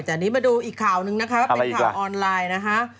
แต่นี่มาดูอีกข่าวหนึ่งนะครับเป็นข่าวออนไลน์นะฮะ